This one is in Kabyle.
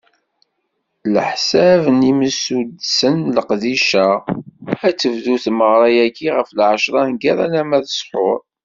Ɛlaḥsab n yimsuddsen n leqdic-a, ad tebdu tmeɣra-agi ɣef lɛecra n yiḍ alamma d ṣṣḥur.